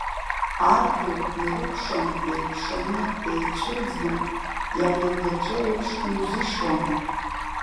Ар ду, ирыкәшан, еиҩшаны, еицәырӡны ианындырҵәо еиԥш, иузшьуам.